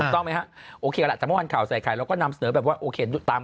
ตรงไหมฮะโอเคแล้วถ้ามันเขาใส่ใครแล้วก็นำแบบว่าโอเคตาม